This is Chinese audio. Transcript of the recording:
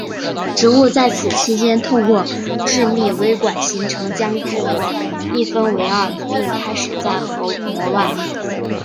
植物在此期间透过致密微管形成将质膜一分为二并开始在核膜外。